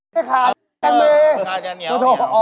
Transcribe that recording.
จับข้าว